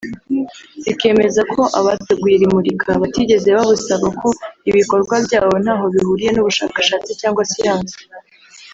zikemeza ko abateguye iri murika batigeze babusaba kuko ibikorwa byabo ntaho bihuriye n’ubushakashatsi cyangwa siyansi